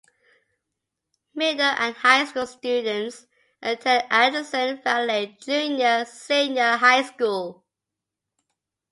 Middle and high school students attend Anderson Valley Junior-Senior High School.